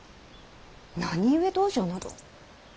何故道場など。